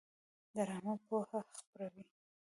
ډرامه پوهه خپروي